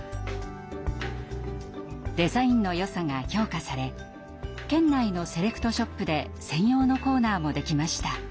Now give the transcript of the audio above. デザインのよさが評価され県内のセレクトショップで専用のコーナーもできました。